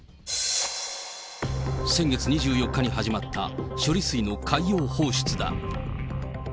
先月２４日に始まった処理水の海洋放出だ。